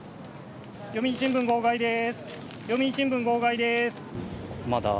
読売新聞号外です。